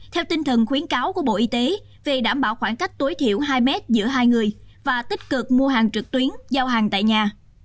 theo tinh thần khuyến cáo của bộ y tế về đảm bảo khoảng cách tối thiểu hai mét giữa hai người và tích cực mua hàng trực tuyến giao hàng tại nhà